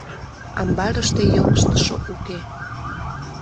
Амбарыште йоҥыжтышо уке.